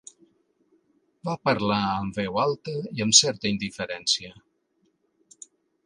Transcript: Va parlar amb veu alta i amb certa indiferència.